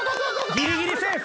ギリギリセーフ。